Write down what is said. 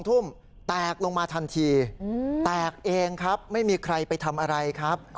ทุ่มแตกลงมาทันทีแตกเองครับไม่มีใครไปทำอะไรครับ